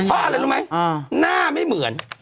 เพราะอะไรรู้ไหมหน้าไม่เหมือน